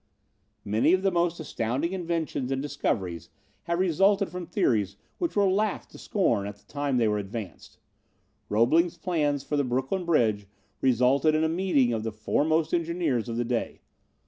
"Many of the most astounding inventions and discoveries have resulted from theories which were laughed to scorn at the time they were advanced. Roebling's plans for the Brooklyn Bridge resulted in a meeting of the foremost engineers of the day.